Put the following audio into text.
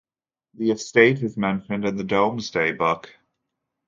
The estate is mentioned in the Domesday Book.